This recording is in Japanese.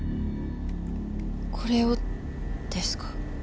これをですか？